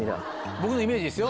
僕のイメージですよ